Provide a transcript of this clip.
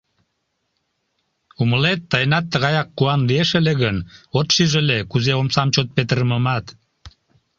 Умылет, тыйынат тыгаяк куан лиеш ыле гын, от шиж ыле, кузе омсам чот петырымымат.